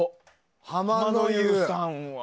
浜の湯さんは。